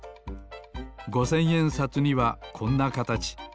ごせんえんさつにはこんなかたち。